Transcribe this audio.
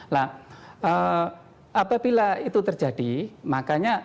nah apabila itu terjadi makanya